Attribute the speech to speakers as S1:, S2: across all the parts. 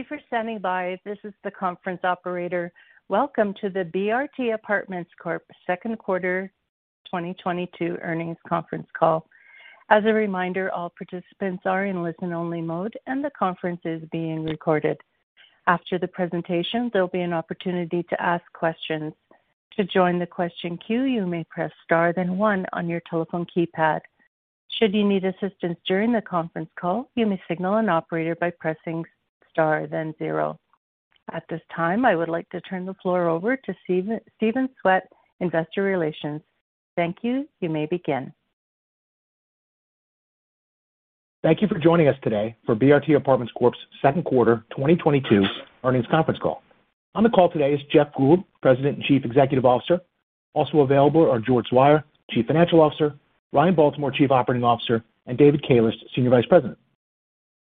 S1: Thank you for standing by. This is the conference operator. Welcome to the BRT Apartments Corp. second quarter 2022 earnings conference call. As a reminder, all participants are in listen-only mode, and the conference is being recorded. After the presentation, there'll be an opportunity to ask questions. To join the question queue, you may press star then one on your telephone keypad. Should you need assistance during the conference call, you may signal an operator by pressing Star, then zero. At this time, I would like to turn the floor over to Stephen Swett, Investor Relations. Thank you. You may begin.
S2: Thank you for joining us today for BRT Apartments Corp's second quarter 2022 earnings conference call. On the call today is Jeff Gould, President and Chief Executive Officer. Also available are George Zweier, Chief Financial Officer, Ryan Baltimore, Chief Operating Officer, and David Kalish, Senior Vice President.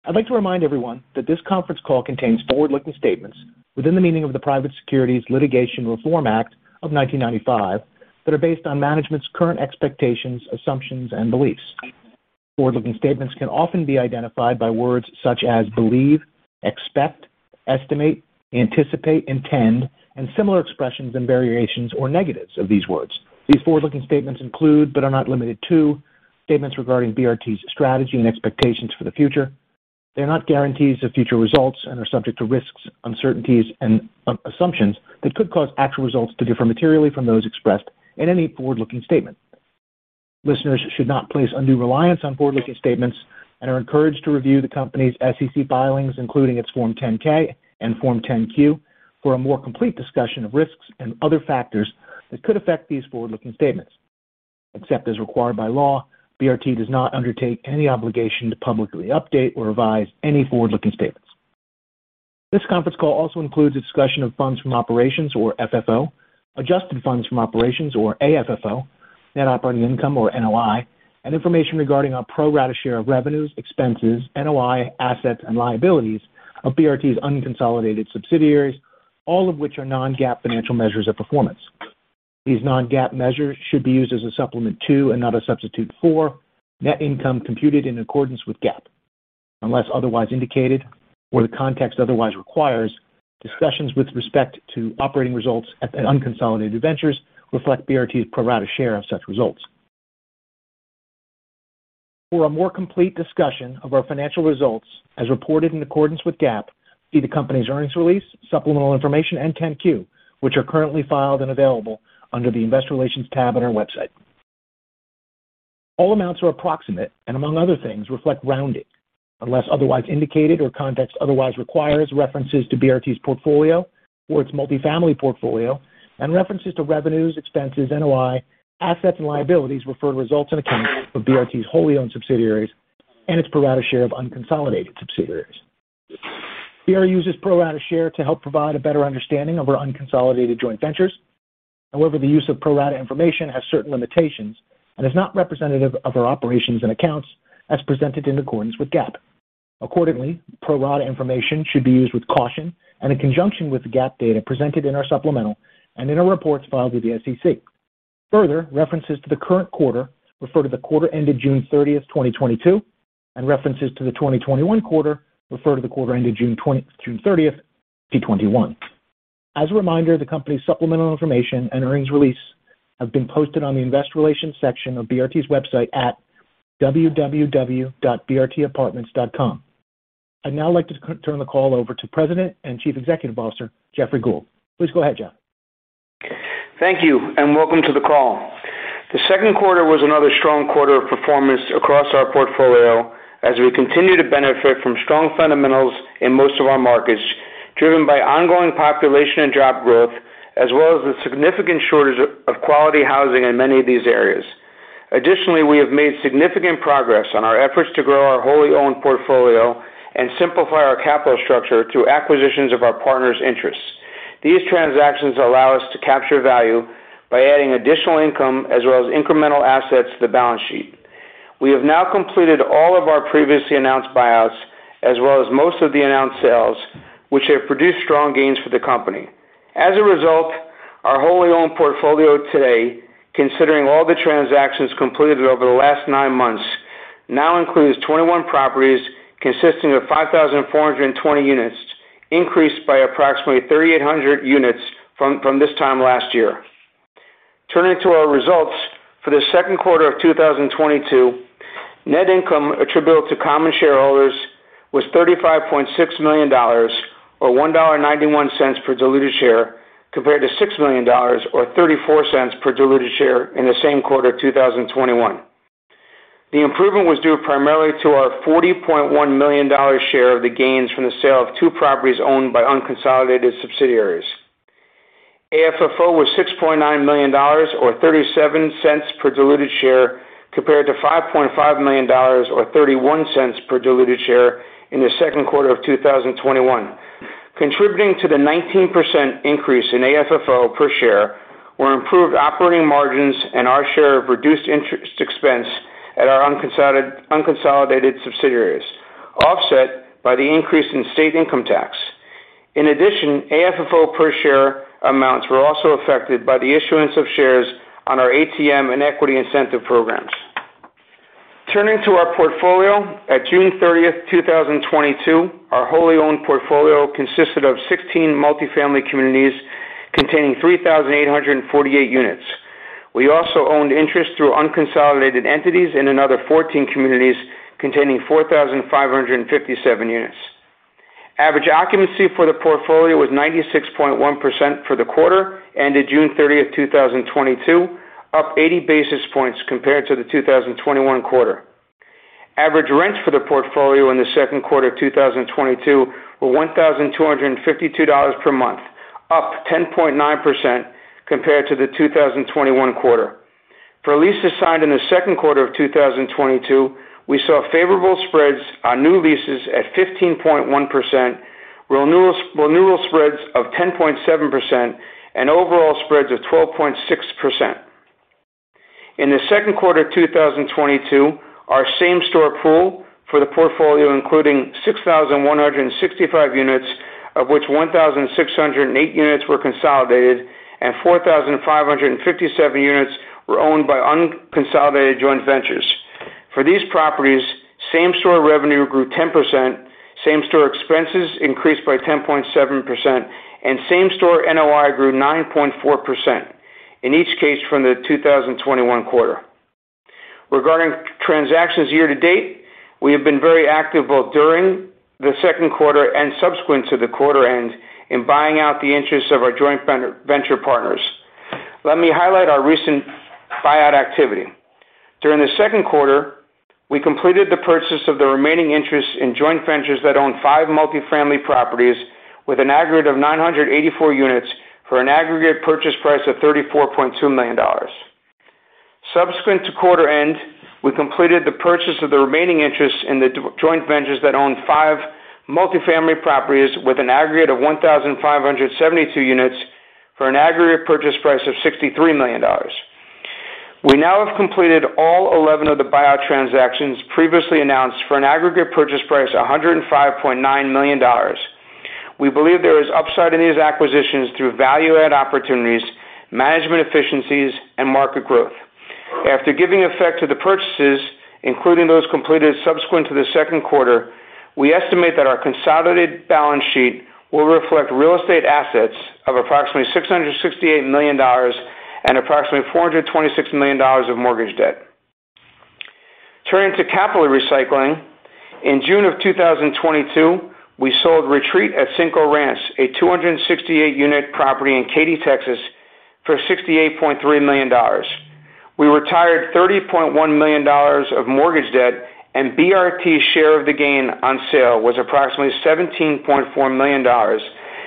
S2: I'd like to remind everyone that this conference call contains forward-looking statements within the meaning of the Private Securities Litigation Reform Act of 1995 that are based on management's current expectations, assumptions, and beliefs. Forward-looking statements can often be identified by words such as believe, expect, estimate, anticipate, intend, and similar expressions and variations, or negatives of these words. These forward-looking statements include, but are not limited to, statements regarding BRT's strategy and expectations for the future. They are not guarantees of future results and are subject to risks, uncertainties, and assumptions that could cause actual results to differ materially from those expressed in any forward-looking statement. Listeners should not place undue reliance on forward-looking statements and are encouraged to review the company's SEC filings, including its Form 10-K and Form 10-Q, for a more complete discussion of risks and other factors that could affect these forward-looking statements. Except as required by law, BRT does not undertake any obligation to publicly update or revise any forward-looking statements. This conference call also includes a discussion of funds from operations, or FFO, adjusted funds from operations, or AFFO, net operating income, or NOI, and information regarding our pro rata share of revenues, expenses, NOI, assets, and liabilities of BRT's unconsolidated subsidiaries, all of which are non-GAAP financial measures of performance. These non-GAAP measures should be used as a supplement to, and not a substitute for, net income computed in accordance with GAAP. Unless otherwise indicated or the context otherwise requires, discussions with respect to operating results at the unconsolidated ventures reflect BRT's pro rata share of such results. For a more complete discussion of our financial results as reported in accordance with GAAP, see the company's earnings release, supplemental information, and 10-Q, which are currently filed and available under the Investor Relations tab on our website. All amounts are approximate and among other things reflect rounding. Unless otherwise indicated or context otherwise requires, references to BRT's portfolio or its multifamily portfolio and references to revenues, expenses, NOI, assets, and liabilities refer to results and accounts of BRT's wholly owned subsidiaries and its pro rata share of unconsolidated subsidiaries. BRT uses pro rata share to help provide a better understanding of our unconsolidated joint ventures. However, the use of pro rata information has certain limitations and is not representative of our operations and accounts as presented in accordance with GAAP. Accordingly, pro rata information should be used with caution and in conjunction with the GAAP data presented in our supplemental and in our reports filed with the SEC. Further, references to the current quarter refer to the quarter ended June 30, 2022, and references to the twenty twenty-one quarter refer to the quarter ended June 30, 2021. As a reminder, the company's supplemental information and earnings release have been posted on the investor relations section of BRT's website at www.brtapartments.com. I'd now like to turn the call over to President and Chief Executive Officer, Jeffrey Gould. Please go ahead, Jeff.
S3: Thank you, and welcome to the call. The second quarter was another strong quarter of performance across our portfolio as we continue to benefit from strong fundamentals in most of our markets, driven by ongoing population and job growth, as well as the significant shortage of quality housing in many of these areas. Additionally, we have made significant progress on our efforts to grow our wholly owned portfolio and simplify our capital structure through acquisitions of our partners' interests. These transactions allow us to capture value by adding additional income as well as incremental assets to the balance sheet. We have now completed all of our previously announced buyouts as well as most of the announced sales, which have produced strong gains for the company. As a result, our wholly owned portfolio today, considering all the transactions completed over the last nine months, now includes 21 properties consisting of 5,420 units, increased by approximately 3,800 units from this time last year. Turning to our results for the second quarter of 2022, net income attributable to common shareholders was $35.6 million or $1.91 per diluted share, compared to $6 million or $0.34 per diluted share in the same quarter 2021. The improvement was due primarily to our $40.1 million share of the gains from the sale of two properties owned by unconsolidated subsidiaries. AFFO was $6.9 million or $0.37 per diluted share, compared to $5.5 million or $0.31 per diluted share in the second quarter of 2021. Contributing to the 19% increase in AFFO per share were improved operating margins and our share of reduced interest expense at our unconsolidated subsidiaries, offset by the increase in state income tax. In addition, AFFO per share amounts were also affected by the issuance of shares on our ATM and equity incentive programs. Turning to our portfolio, at June 30, 2022, our wholly owned portfolio consisted of 16 multifamily communities containing 3,848 units. We also owned interest through unconsolidated entities in another 14 communities containing 4,557 units. Average occupancy for the portfolio was 96.1% for the quarter ended June 30, 2022, up 80 basis points compared to the 2021 quarter. Average rents for the portfolio in the second quarter of 2022 were $1,252 per month, up 10.9% compared to the 2021 quarter. For leases signed in the second quarter of 2022, we saw favorable spreads on new leases at 15.1%, renewals, renewal spreads of 10.7%, and overall spreads of 12.6%. In the second quarter of 2022, our same-store pool for the portfolio included 6,165 units, of which 1,608 units were consolidated and 4,557 units were owned by unconsolidated joint ventures. For these properties, same-store revenue grew 10%, same-store expenses increased by 10.7%, and same-store NOI grew 9.4%. In each case, from the 2021 quarter. Regarding transactions year to date, we have been very active both during the second quarter and subsequent to the quarter end in buying out the interest of our joint venture partners. Let me highlight our recent buyout activity. During the second quarter, we completed the purchase of the remaining interests in joint ventures that own five multifamily properties with an aggregate of 984 units for an aggregate purchase price of $34.2 million. Subsequent to quarter end, we completed the purchase of the remaining interests in the joint ventures that own five multifamily properties with an aggregate of 1,572 units for an aggregate purchase price of $63 million. We now have completed all 11 of the buyout transactions previously announced for an aggregate purchase price of $105.9 million. We believe there is upside in these acquisitions through value add opportunities, management efficiencies and market growth. After giving effect to the purchases, including those completed subsequent to the second quarter, we estimate that our consolidated balance sheet will reflect real estate assets of approximately $668 million and approximately $426 million of mortgage debt. Turning to capital recycling. In June 2022, we sold Retreat at Cinco Ranch, a 268-unit property in Katy, Texas for $68.3 million. We retired $30.1 million of mortgage debt, and BRT's share of the gain on sale was approximately $17.4 million,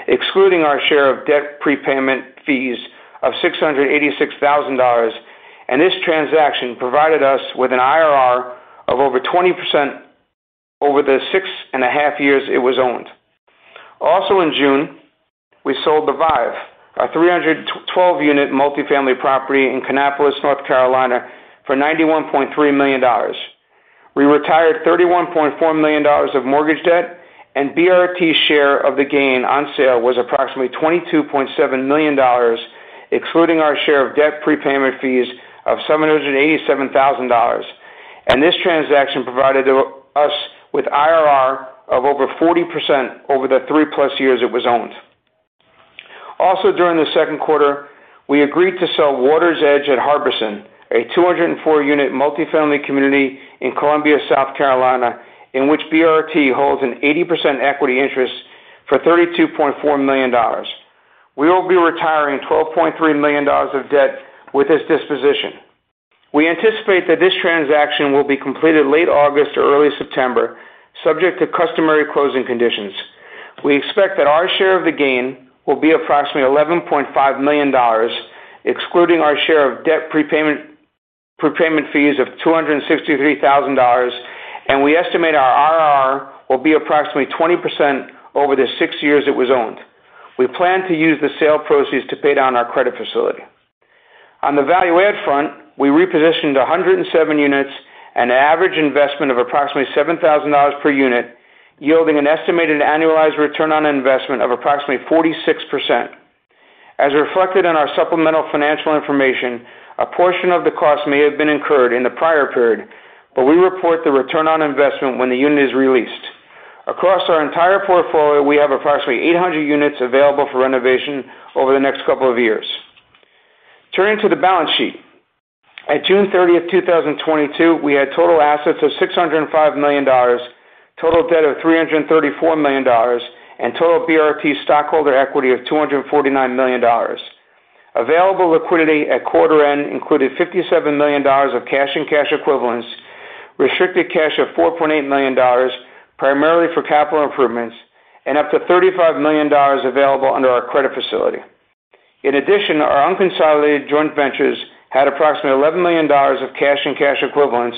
S3: excluding our share of debt prepayment fees of $686,000. This transaction provided us with an IRR of over 20% over the six and a half years it was owned. Also in June, we sold The Vive at Kellswater, our 312-unit multifamily property in Kannapolis, North Carolina, for $91.3 million. We retired $31.4 million of mortgage debt, and BRT's share of the gain on sale was approximately $22.7 million, excluding our share of debt prepayment fees of $787,000. This transaction provided us with IRR of over 40% over the 3+ years it was owned. Also during the second quarter, we agreed to sell Waters Edge at Harbison, a 204-unit multifamily community in Columbia, South Carolina, in which BRT holds an 80% equity interest for $32.4 million. We will be retiring $12.3 million of debt with this disposition. We anticipate that this transaction will be completed late August or early September, subject to customary closing conditions. We expect that our share of the gain will be approximately $11.5 million, excluding our share of debt prepayment fees of $263,000, and we estimate our IRR will be approximately 20% over the six years it was owned. We plan to use the sale proceeds to pay down our credit facility. On the value add front, we repositioned 107 units, an average investment of approximately $7,000 per unit, yielding an estimated annualized return on investment of approximately 46%. As reflected in our supplemental financial information, a portion of the cost may have been incurred in the prior period, but we report the return on investment when the unit is released. Across our entire portfolio, we have approximately 800 units available for renovation over the next couple of years. Turning to the balance sheet. At June 30, 2022, we had total assets of $605 million, total debt of $334 million, and total BRT stockholder equity of $249 million. Available liquidity at quarter end included $57 million of cash and cash equivalents, restricted cash of $4.8 million, primarily for capital improvements, and up to $35 million available under our credit facility. In addition, our unconsolidated joint ventures had approximately $11 million of cash and cash equivalents,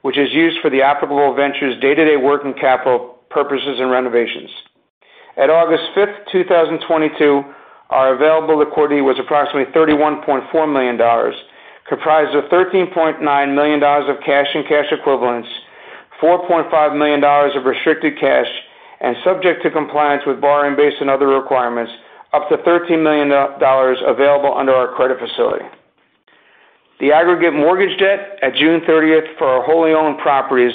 S3: which is used for the applicable ventures' day-to-day working capital purposes and renovations. At August 5, 2022, our available liquidity was approximately $31.4 million, comprised of $13.9 million of cash and cash equivalents, $4.5 million of restricted cash, and subject to compliance with borrowing base and other requirements, up to $13 million available under our credit facility. The aggregate mortgage debt at June 30 for our wholly owned properties,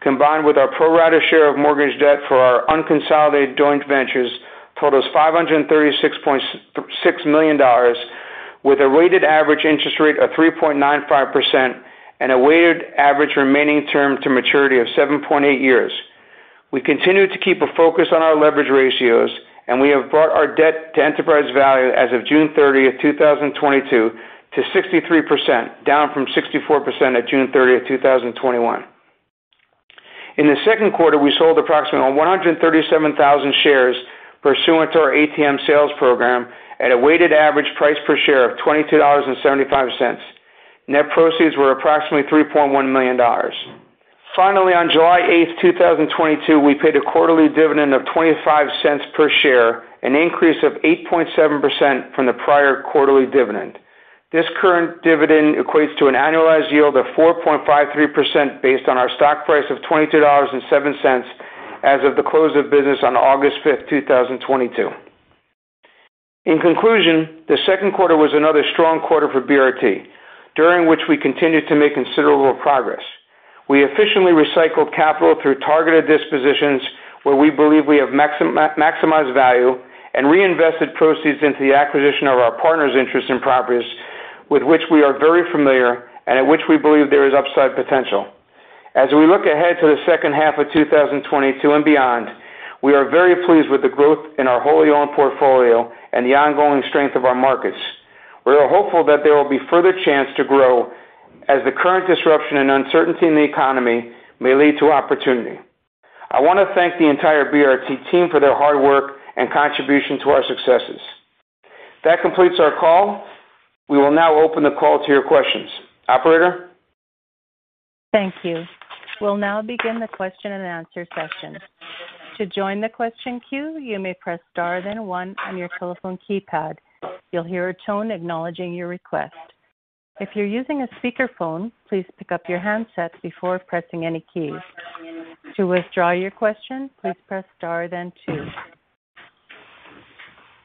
S3: combined with our pro-rata share of mortgage debt for our unconsolidated joint ventures, totals $536.6 million with a weighted average interest rate of 3.95% and a weighted average remaining term to maturity of 7.8 years. We continue to keep a focus on our leverage ratios, and we have brought our debt to enterprise value as of June 30, 2022 to 63%, down from 64% at June 30, 2021. In the second quarter, we sold approximately 137,000 shares pursuant to our ATM sales program at a weighted average price per share of $22.75. Net proceeds were approximately $3.1 million. Finally, on July 8, 2022, we paid a quarterly dividend of $0.25 per share, an increase of 8.7% from the prior quarterly dividend. This current dividend equates to an annualized yield of 4.53% based on our stock price of $22.07 as of the close of business on August 5, 2022. In conclusion, the second quarter was another strong quarter for BRT, during which we continued to make considerable progress. We efficiently recycled capital through targeted dispositions where we believe we have maximized value and reinvested proceeds into the acquisition of our partner's interest in properties with which we are very familiar and at which we believe there is upside potential. As we look ahead to the second half of 2022 and beyond, we are very pleased with the growth in our wholly owned portfolio and the ongoing strength of our markets. We are hopeful that there will be further chance to grow as the current disruption and uncertainty in the economy may lead to opportunity. I want to thank the entire BRT team for their hard work and contribution to our successes. That completes our call. We will now open the call to your questions. Operator?
S1: Thank you. We'll now begin the question and answer session. To join the question queue, you may press star then one on your telephone keypad. You'll hear a tone acknowledging your request. If you're using a speakerphone, please pick up your handset before pressing any keys. To withdraw your question, please press star then two.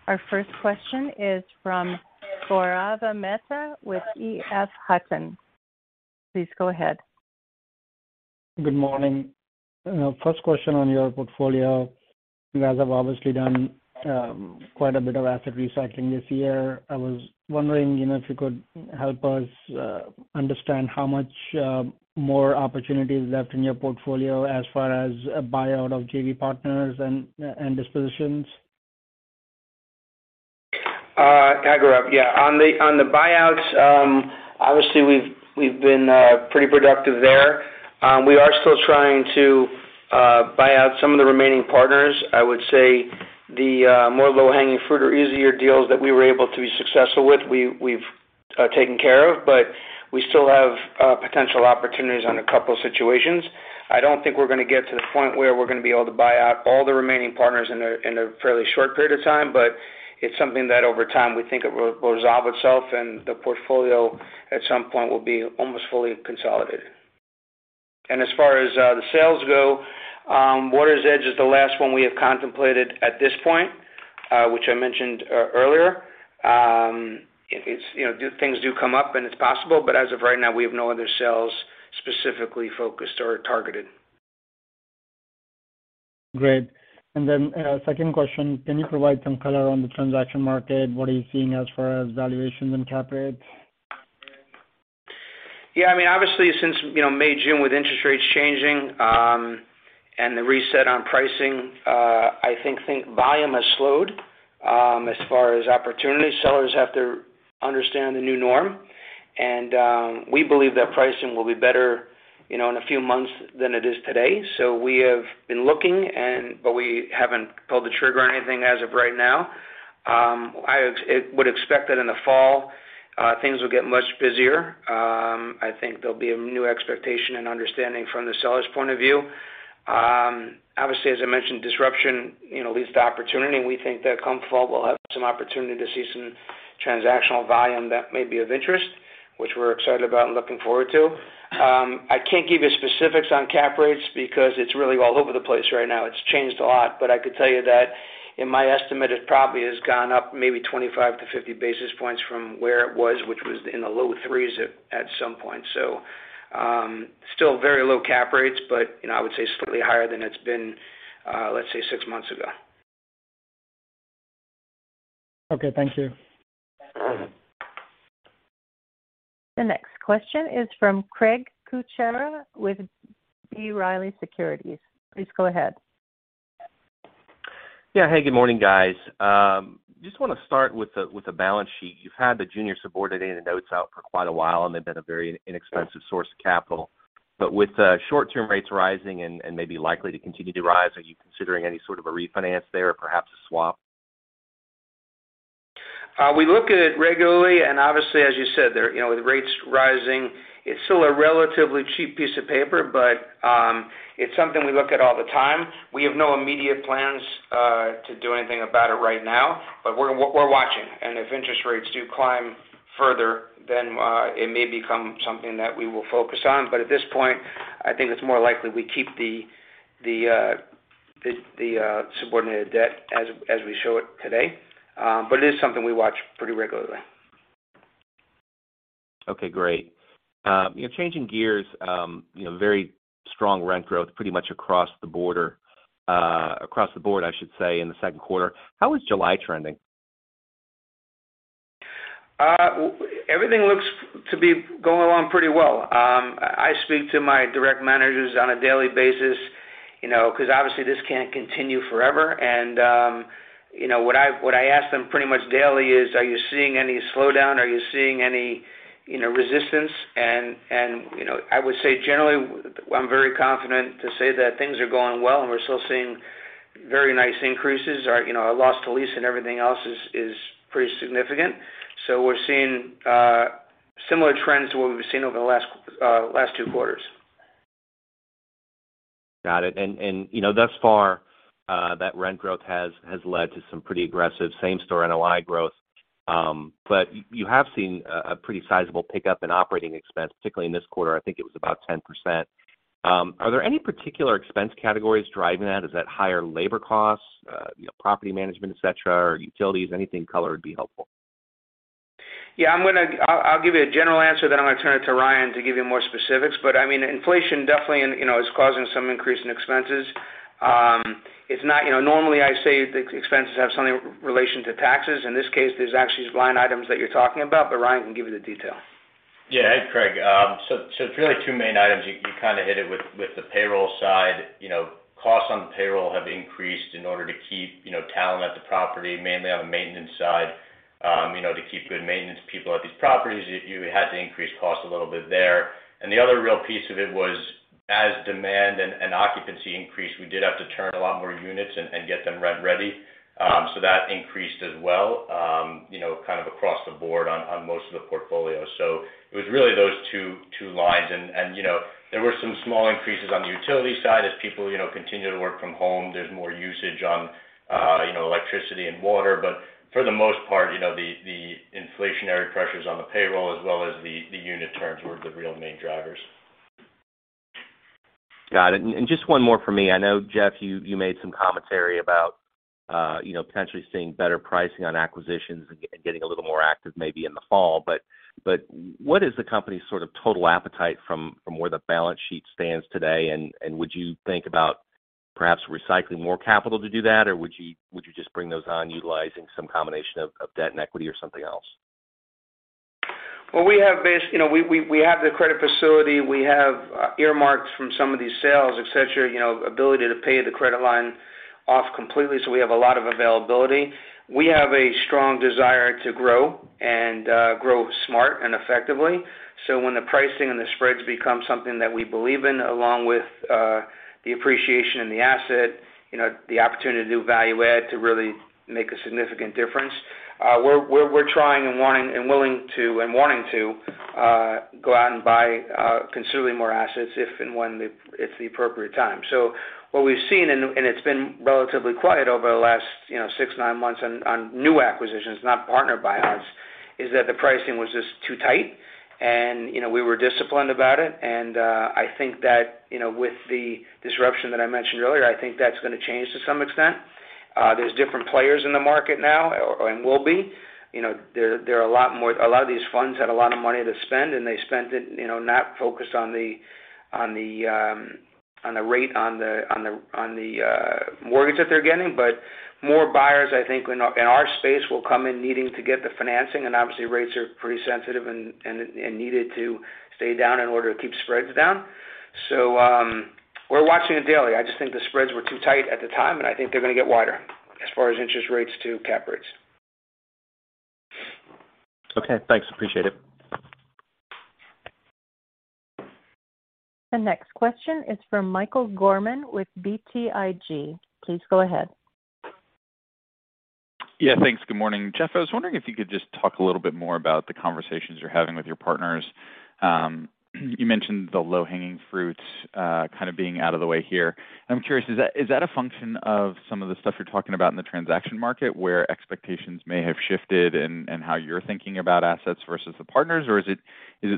S1: Our first question is from Gaurav Mehta with EF Hutton. Please go ahead.
S4: Good morning. First question on your portfolio. You guys have obviously done quite a bit of asset recycling this year. I was wondering, you know, if you could help us understand how much more opportunities left in your portfolio as far as buyout of JV partners and dispositions.
S3: Gaurav. Yeah. On the buyouts, obviously, we've been pretty productive there. We are still trying to buy out some of the remaining partners. I would say the more low-hanging fruit or easier deals that we were able to be successful with, we've taken care of. But we still have potential opportunities on a couple of situations. I don't think we're gonna get to the point where we're gonna be able to buy out all the remaining partners in a fairly short period of time. But it's something that over time, we think it will resolve itself and the portfolio at some point will be almost fully consolidated. As far as the sales go, Waters Edge is the last one we have contemplated at this point, which I mentioned earlier. It's, you know, things do come up and it's possible, but as of right now, we have no other sales specifically focused or targeted.
S4: Great. Second question. Can you provide some color on the transaction market? What are you seeing as far as valuations and cap rates?
S3: Yeah, I mean, obviously since, you know, May, June with interest rates changing, and the reset on pricing, I think volume has slowed. As far as opportunities, sellers have to understand the new norm. We believe that pricing will be better, you know, in a few months than it is today. We have been looking, but we haven't pulled the trigger on anything as of right now. I would expect that in the fall, things will get much busier. I think there'll be a new expectation and understanding from the seller's point of view. Obviously, as I mentioned, disruption, you know, leads to opportunity, and we think that come fall, we'll have some opportunity to see some transactional volume that may be of interest, which we're excited about and looking forward to. I can't give you specifics on cap rates because it's really all over the place right now. It's changed a lot, but I could tell you that in my estimate, it probably has gone up maybe 25-50 basis points from where it was, which was in the low threes at some point. Still very low cap rates, but, you know, I would say slightly higher than it's been, let's say six months ago.
S4: Okay. Thank you.
S1: The next question is from Craig Kucera with B. Riley Securities. Please go ahead.
S5: Yeah. Hey, good morning, guys. Just wanna start with the balance sheet. You've had the junior subordinated notes out for quite a while, and they've been a very inexpensive source of capital. But with the short-term rates rising and maybe likely to continue to rise, are you considering any sort of a refinance there or perhaps a swap?
S3: We look at it regularly, and obviously, as you said, there, you know, with rates rising, it's still a relatively cheap piece of paper, but it's something we look at all the time. We have no immediate plans to do anything about it right now, but we're watching. If interest rates do climb further, then it may become something that we will focus on. At this point, I think it's more likely we keep the subordinated debt as we show it today. It is something we watch pretty regularly.
S5: Okay, great. You know, changing gears, you know, very strong rent growth pretty much across the board, I should say, in the second quarter. How is July trending?
S3: Everything looks to be going along pretty well. I speak to my direct managers on a daily basis, you know, because obviously this can't continue forever. You know, what I ask them pretty much daily is, are you seeing any slowdown? Are you seeing any, you know, resistance? You know, I would say generally, I'm very confident to say that things are going well, and we're still seeing very nice increases. You know, our loss to lease and everything else is pretty significant. We're seeing similar trends to what we've seen over the last two quarters.
S5: Got it. You know, thus far, that rent growth has led to some pretty aggressive same-store NOI growth. You have seen a pretty sizable pickup in operating expense, particularly in this quarter. I think it was about 10%. Are there any particular expense categories driving that? Is that higher labor costs, you know, property management, et cetera, or utilities? Any color would be helpful.
S3: Yeah, I'll give you a general answer, then I'm gonna turn it to Ryan to give you more specifics. I mean, inflation definitely, you know, is causing some increase in expenses. It's not, you know, normally I say the expenses have some relation to taxes. In this case, there's actually line items that you're talking about, but Ryan can give you the details.
S6: Yeah. Craig, it's really two main items. You kind of hit it with the payroll side. You know, costs on payroll have increased in order to keep you know, talent at the property, mainly on the maintenance side. You know, to keep good maintenance people at these properties, you had to increase costs a little bit there. The other real piece of it was, as demand and occupancy increased, we did have to turn a lot more units and get them rent ready. That increased as well, you know, kind of across the board on most of the portfolio. It was really those two lines. You know, there were some small increases on the utility side as people you know, continue to work from home. There's more usage on, you know, electricity and water. For the most part, you know, the inflationary pressures on the payroll as well as the unit turns were the real main drivers.
S5: Got it. Just one more for me. I know, Jeff, you made some commentary about, you know, potentially seeing better pricing on acquisitions and getting a little more active maybe in the fall. What is the company's sort of total appetite from where the balance sheet stands today, and would you think about perhaps recycling more capital to do that, or would you just bring those on utilizing some combination of debt and equity or something else?
S3: Well, you know, we have the credit facility. We have earmarked from some of these sales, et cetera, you know, ability to pay the credit line off completely. We have a lot of availability. We have a strong desire to grow and grow smart and effectively. When the pricing and the spreads become something that we believe in, along with the appreciation in the asset, you know, the opportunity to do value add to really make a significant difference, we're trying and wanting, and willing to and wanting to go out and buy considerably more assets if and when it's the appropriate time. What we've seen, and it's been relatively quiet over the last, you know, 6-9 months on new acquisitions, not partner buyouts, is that the pricing was just too tight. You know, we were disciplined about it. I think that, you know, with the disruption that I mentioned earlier, I think that's gonna change to some extent. There's different players in the market now, and will be. You know, there are a lot more. A lot of these funds had a lot of money to spend, and they spent it, you know, not focused on the rate on the mortgage that they're getting. More buyers, I think, in our space, will come in needing to get the financing. Obviously, rates are pretty sensitive and needed to stay down in order to keep spreads down. We're watching it daily. I just think the spreads were too tight at the time, and I think they're gonna get wider as far as interest rates to cap rates.
S5: Okay, thanks. Appreciate it.
S1: The next question is from Michael Gorman with BTIG. Please go ahead.
S7: Yeah, thanks. Good morning. Jeff, I was wondering if you could just talk a little bit more about the conversations you're having with your partners. You mentioned the low-hanging fruits, kind of being out of the way here. I'm curious, is that a function of some of the stuff you're talking about in the transaction market, where expectations may have shifted in how you're thinking about assets versus the partners? Or is it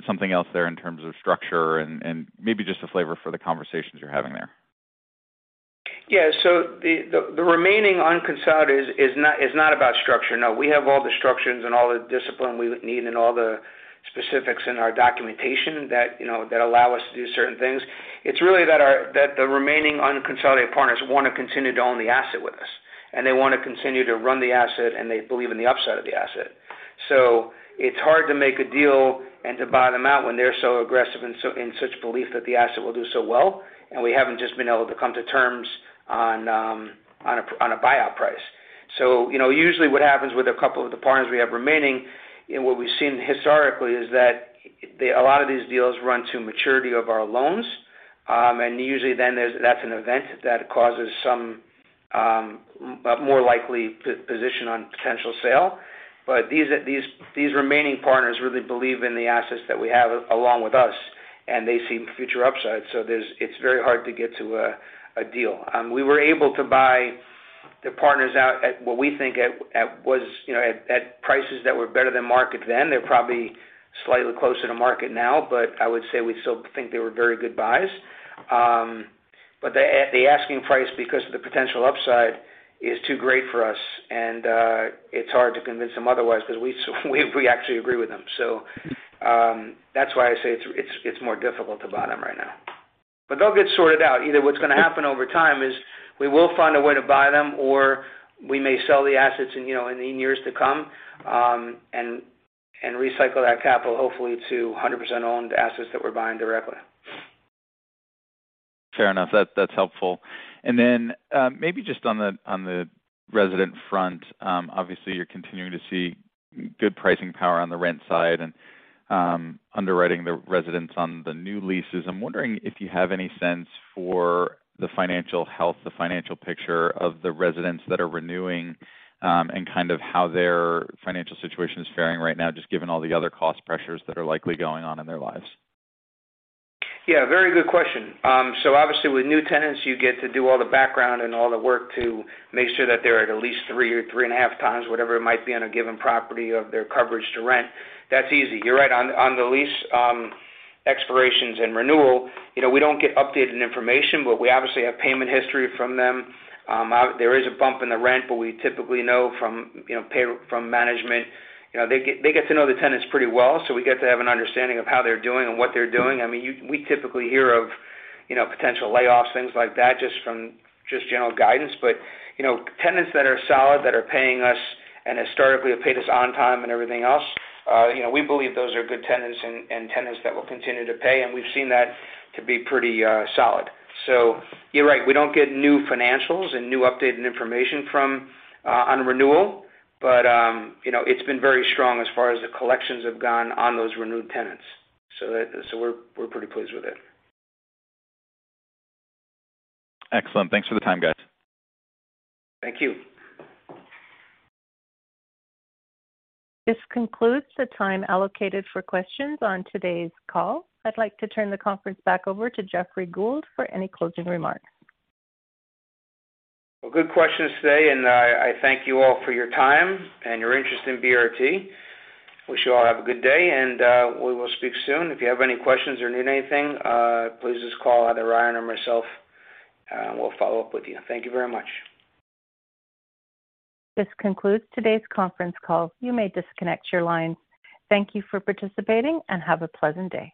S7: something else there in terms of structure and maybe just a flavor for the conversations you're having there?
S3: Yeah. The remaining unconsolidated is not about structure. No, we have all the structures and all the discipline we need and all the specifics in our documentation that, you know, that allow us to do certain things. It's really that the remaining unconsolidated partners wanna continue to own the asset with us, and they wanna continue to run the asset, and they believe in the upside of the asset. It's hard to make a deal and to buy them out when they're so aggressive and so in such belief that the asset will do so well, and we just haven't been able to come to terms on a buyout price. You know, usually what happens with a couple of the partners we have remaining, and what we've seen historically, is that a lot of these deals run to maturity of our loans. Usually then there's that an event that causes some more likely position on potential sale. These remaining partners really believe in the assets that we have along with us, and they see future upsides. It's very hard to get to a deal. We were able to buy the partners out at what we think was, you know, at prices that were better than market then. They're probably slightly closer to market now, but I would say we still think they were very good buys. The asking price because of the potential upside is too great for us, and it's hard to convince them otherwise because we actually agree with them. That's why I say it's more difficult to buy them right now. But they'll get sorted out. Either what's gonna happen over time is we will find a way to buy them, or we may sell the assets in, you know, in years to come, and recycle that capital, hopefully to a hundred percent owned assets that we're buying directly.
S7: Fair enough. That, that's helpful. Maybe just on the resident front, obviously you're continuing to see good pricing power on the rent side and underwriting the residents on the new leases. I'm wondering if you have any sense for the financial health, the financial picture of the residents that are renewing, and kind of how their financial situation is faring right now, just given all the other cost pressures that are likely going on in their lives.
S3: Yeah, very good question. So obviously with new tenants, you get to do all the background and all the work to make sure that they're at least 3 or 3.5 times, whatever it might be on a given property of their coverage to rent. That's easy. You're right, on the lease expirations and renewal, you know, we don't get updated information, but we obviously have payment history from them. There is a bump in the rent, but we typically know from, you know, from management. You know, they get to know the tenants pretty well, so we get to have an understanding of how they're doing and what they're doing. I mean, we typically hear of, you know, potential layoffs, things like that, just from general guidance. You know, tenants that are solid, that are paying us and historically have paid us on time and everything else, you know, we believe those are good tenants and tenants that will continue to pay. We've seen that to be pretty solid. You're right, we don't get new financials and new updated information from on renewal, but you know, it's been very strong as far as the collections have gone on those renewed tenants. We're pretty pleased with it.
S7: Excellent. Thanks for the time, guys.
S3: Thank you.
S1: This concludes the time allocated for questions on today's call. I'd like to turn the conference back over to Jeffrey Gould for any closing remarks.
S3: Well, good questions today, and I thank you all for your time and your interest in BRT. I wish you all have a good day, and we will speak soon. If you have any questions or need anything, please just call either Ryan or myself, and we'll follow up with you. Thank you very much.
S1: This concludes today's conference call. You may disconnect your lines. Thank you for participating, and have a pleasant day.